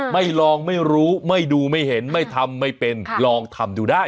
ไม่ลองไม่รู้ไม่ดูไม่เห็นไม่ทำไม่เป็นลองทำดูได้